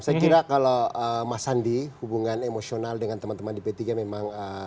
saya kira kalau mas sandi hubungan emosional dengan teman teman di p tiga memang